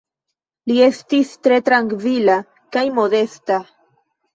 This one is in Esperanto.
Li estis tre trankvila kaj modesta.